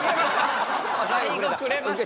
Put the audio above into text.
最後くれました。